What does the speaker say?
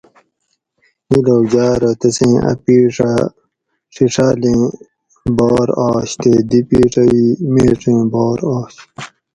نی لوک جاۤ ارو تسیں ا پِیڄہ ڛِڛالیں بار آش تے دی پِیڄہ ای میڄیں بار آش